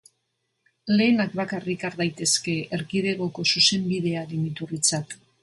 Lehenak bakarrik har daitezke Erkidegoko Zuzenbidearen iturritzat.